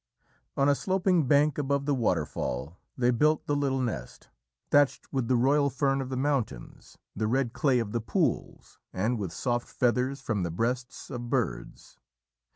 On a sloping bank above the waterfall they built the little nest, thatched with the royal fern of the mountains, the red clay of the pools, and with soft feathers from the breasts of birds.